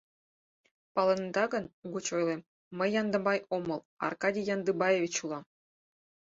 — Палынеда гын, угыч ойлем: мый Яндыбай омыл, а Аркадий Яндыбаевич улам.